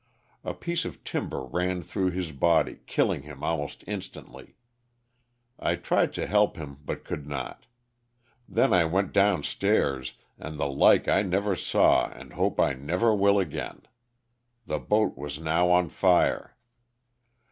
A piece of timber ran through his body, killing him almost instantly. I tried to help him but could not. Then I went down stairs and the like I never saw and hope I never will again. The boat was now on fire.